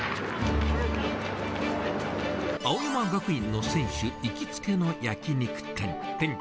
青山学院の選手、行きつけの焼き肉店。